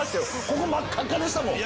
ここ真っ赤でしたもん。